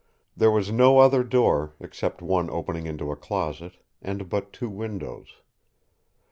There was no other door except one opening into a closet, and but two windows.